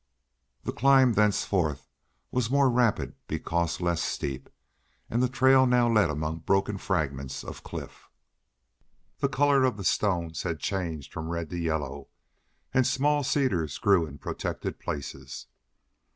The climb thenceforth was more rapid because less steep, and the trail now led among broken fragments of cliff. The color of the stones had changed from red to yellow, and small cedars grew in protected places.